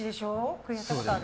これやったことある？